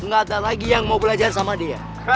nggak ada lagi yang mau belajar sama dia